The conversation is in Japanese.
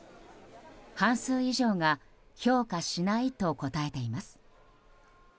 半数以上が評価しないと答えています。